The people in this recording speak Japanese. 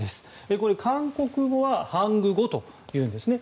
これ、韓国語はハングゴというんですね。